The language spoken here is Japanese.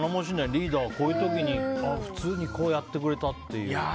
リーダーはこういう時に普通にやってくれたっていう。